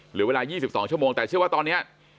เหลือเวลา๒๒ชั่วโมงแต่เชื่อว่าตอนนี้